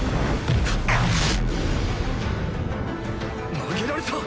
曲げられた⁉